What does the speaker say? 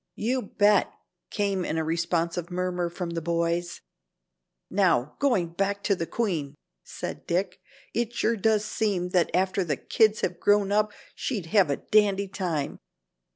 "You bet," came in a responsive murmur from the boys. "Now, going back to the queen," said Dick, "it sure does seem that after the kids have grown up she'd have a dandy time.